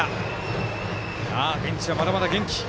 聖光ベンチはまだまだ元気。